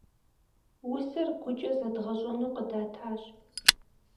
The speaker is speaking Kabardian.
Усэр гукӏэ зэдгъэщӏэну къыдатащ.